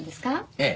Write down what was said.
ええ。